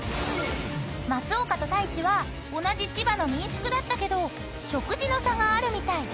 ［松岡と太一は同じ千葉の民宿だったけど食事の差があるみたい］